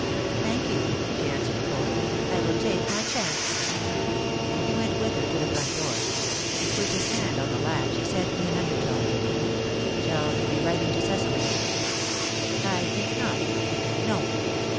"Thank you," she answered coldly. "I will take my chance." He went with her to the front door. With his hand on the latch, he said in an undertone: "Shall you be writing to Cecily?" "I think not; no."